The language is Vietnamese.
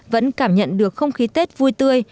vẫn cảm nhận được không khí tết vui tươi